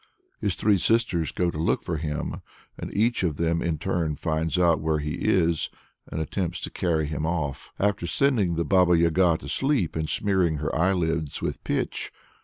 His three sisters go to look for him, and each of them in turn finds out where he is and attempts to carry him off, after sending the Baba Yaga to sleep and smearing her eyelids with pitch.